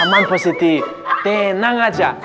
aman pos siti tenang aja